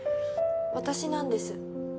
私なんです。